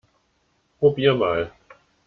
Probier mal!